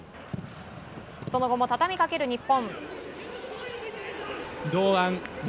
その後も畳みかける日本。